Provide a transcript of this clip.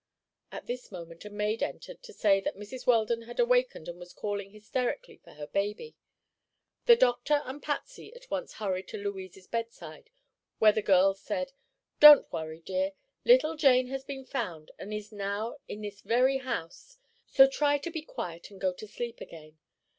At this moment a maid entered to say that Mrs. Weldon had awakened and was calling hysterically for her baby. The doctor and Patsy at once hurried to Louise's bedside, where the girl said: "Don't worry, dear. Little Jane has been found and is now in this very house. So try to be quiet and go to sleep again."